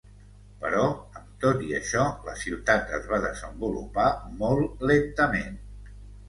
Però, amb tot i això, la ciutat es va desenvolupar molt lentament.